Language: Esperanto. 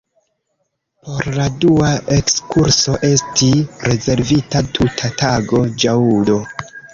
Por la dua ekskurso esti rezervita tuta tago, ĵaŭdo.